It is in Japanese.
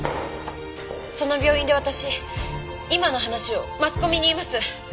その病院で私今の話をマスコミに言います！